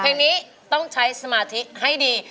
เพลงนี้ต้องใช้สมาธิให้ดี